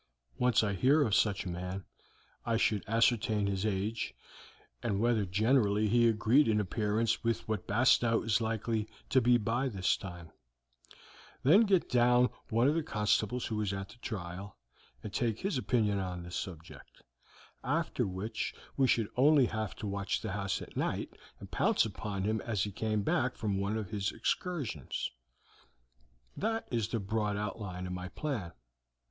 Once I hear of such a man, I should ascertain his age, and whether generally he agreed in appearance with what Bastow is likely to be by this time, then get down one of the constables who was at the trial, and take his opinion on the subject, after which we should only have to watch the house at night and pounce upon him as he came back from one of his excursions. That is the broad outline of my plan.